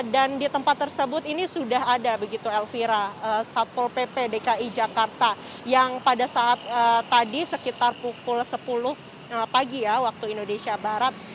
di tempat tersebut ini sudah ada begitu elvira satpol pp dki jakarta yang pada saat tadi sekitar pukul sepuluh pagi ya waktu indonesia barat